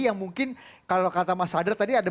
yang mungkin kalau kata mas sadra tadi